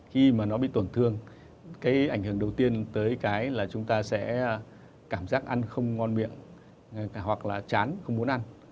khi mà nó bị tổn thương cái ảnh hưởng đầu tiên tới cái là chúng ta sẽ cảm giác ăn không ngon miệng hoặc là chán không muốn ăn